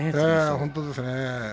本当ですね。